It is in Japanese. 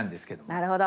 なるほど！